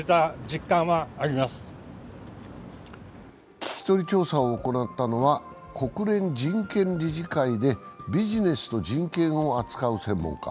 聞き取り調査を行ったのは国連人権理事会でビジネスと人権を扱う専門家。